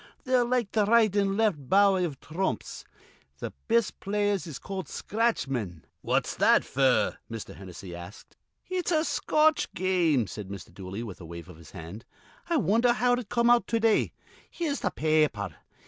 They're like th' right an' left bower iv thrumps. Th' best players is called scratch men." "What's that f'r?" Mr. Hennessy asked. "It's a Scotch game," said Mr. Dooley, with a wave of his hand. "I wonder how it come out to day. Here's th' pa aper.